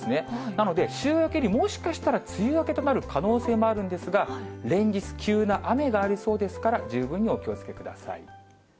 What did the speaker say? なので週明けにもしかしたら梅雨明けとなる可能性もあるんですが、連日、急な雨がありそうですから、十分お気をつけください。